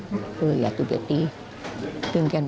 ก็ไม่อยากให้โดนทุกตีไม่ได้นะ